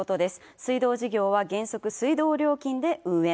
水道事業は原則、水道料金で運営。